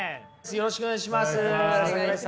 よろしくお願いします。